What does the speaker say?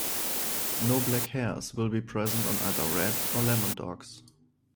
No black hairs will be present on either Red or Lemon dogs.